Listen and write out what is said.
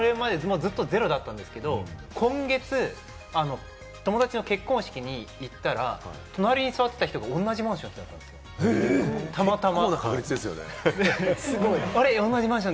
ずっとゼロだったんですけど、今月、友達の結婚式に行ったら、隣に座っていた人が同じマンションだったんです、たまたま。